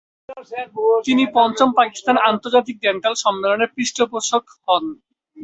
তিনি পঞ্চম পাকিস্তান আন্তর্জাতিক ডেন্টাল সম্মেলনের পৃষ্ঠপোষক হন।